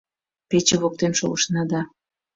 Пече воктен шогышна да